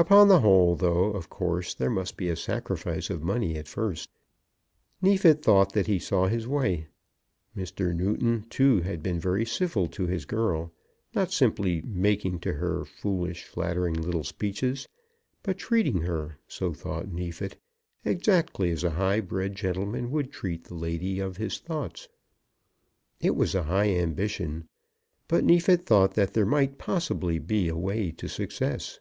Upon the whole, though of course there must be a sacrifice of money at first, Neefit thought that he saw his way. Mr. Newton, too, had been very civil to his girl, not simply making to her foolish flattering little speeches, but treating her, so thought Neefit, exactly as a high bred gentleman would treat the lady of his thoughts. It was a high ambition; but Neefit thought that there might possibly be a way to success.